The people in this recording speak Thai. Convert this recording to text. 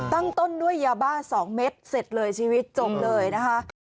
ต้นด้วยยาบ้า๒เม็ดเสร็จเลยชีวิตจบเลยนะคะ